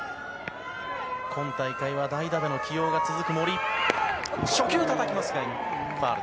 今大会は代打での起用が続く森。